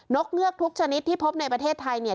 กเงือกทุกชนิดที่พบในประเทศไทยเนี่ย